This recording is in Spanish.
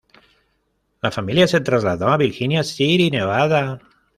La familia se trasladó a Virginia City, Nevada.